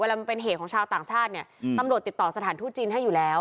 มันเป็นเหตุของชาวต่างชาติเนี่ยตำรวจติดต่อสถานทูตจีนให้อยู่แล้ว